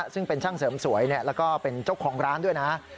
ซึ่งเป็นช่างเสริมสวยแล้วก็เป็นเจ้าของร้านด้วยนะ